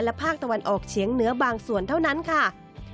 ภาคตะวันออกเฉียงเหนือบางส่วนเท่านั้นค่ะ